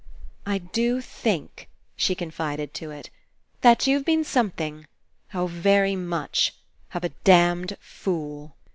"I do think," she confided to it, "that youVe been something — oh, very much — of a damned fool."